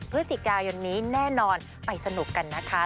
พฤศจิกายนนี้แน่นอนไปสนุกกันนะคะ